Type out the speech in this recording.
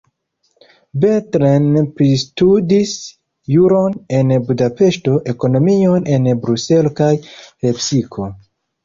Bethlen pristudis juron en Budapeŝto, ekonomion en Bruselo kaj Lepsiko.